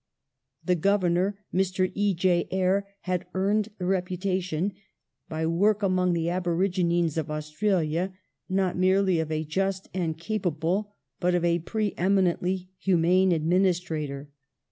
The Governor, Mr. E. J. Eyre, had ^^q^^^^' earned the reputation, by work among the aborigines of Australia, not merely of a just and capable but of a pre eminently humane administrator.